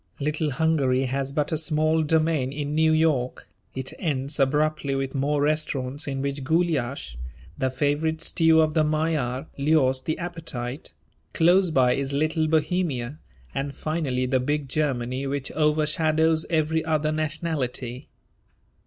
Little Hungary has but a small domain in New York; it ends abruptly with more restaurants in which gulyas, the favourite stew of the Magyar, lures the appetite; close by is Little Bohemia, and finally the big Germany which overshadows every other nationality.